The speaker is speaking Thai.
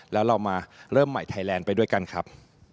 แล้วเรามาเริ่มใหม่ไทยแลนด์ไปด้วยกันครับ